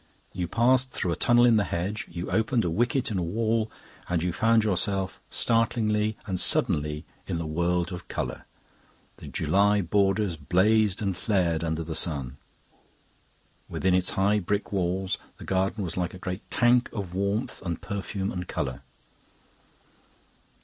You passed through a tunnel in the hedge, you opened a wicket in a wall, and you found yourself, startlingly and suddenly, in the world of colour. The July borders blazed and flared under the sun. Within its high brick walls the garden was like a great tank of warmth and perfume and colour.